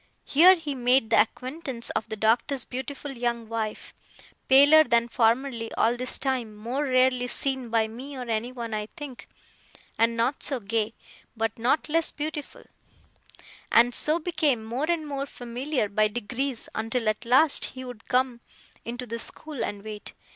Here he made the acquaintance of the Doctor's beautiful young wife (paler than formerly, all this time; more rarely seen by me or anyone, I think; and not so gay, but not less beautiful), and so became more and more familiar by degrees, until, at last, he would come into the school and wait.